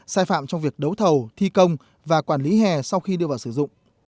sai phạm trong việc đấu thầu thi công và quản lý hè sau khi đưa vào sử dụng